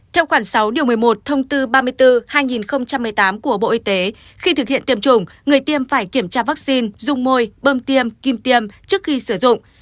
theo khoản sáu điều một mươi một thông tư ba mươi bốn hai nghìn một mươi tám của bộ y tế khi thực hiện tiêm chủng người tiêm phải kiểm tra vaccine dung môi bơm tiêm kim tiêm trước khi sử dụng